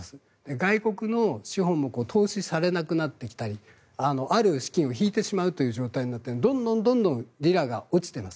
外国の資本も投資されなくなってきたりある資金を引いてしまうという状態になってどんどんリラが落ちています。